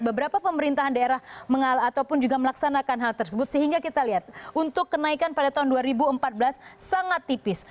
beberapa pemerintahan daerah ataupun juga melaksanakan hal tersebut sehingga kita lihat untuk kenaikan pada tahun dua ribu empat belas sangat tipis